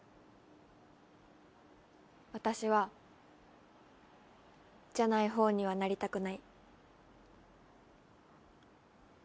私はじゃない方にはなりたくない。